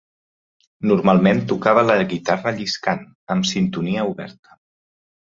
Normalment tocava la guitarra lliscant, amb sintonia oberta.